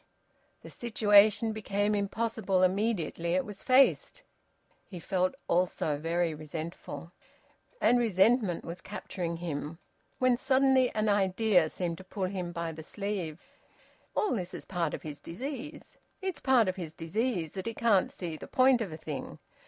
The situation became impossible immediately it was faced. He felt also very resentful, and resentment was capturing him, when suddenly an idea seemed to pull him by the sleeve: "All this is part of his disease. It's part of his disease that he can't see the point of a thing."